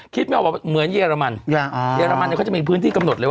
ไม่ออกว่าเหมือนเยอรมันเยอรมันเนี่ยเขาจะมีพื้นที่กำหนดเลยว่า